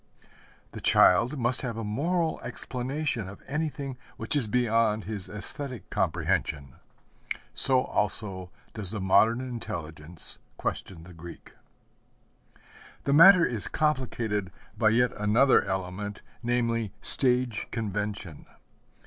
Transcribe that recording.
The child must have a moral explanation of anything which is beyond his æsthetic comprehension. So also does the modern intelligence question the Greek. The matter is complicated by yet another element, namely stage convention.